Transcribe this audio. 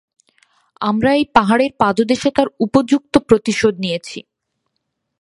আমরা এই পাহাড়ের পাদদেশে তার উপযুক্ত প্রতিশোধ নিয়েছি।